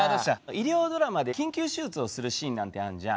医療ドラマで緊急手術をするシーンなんてあんじゃん。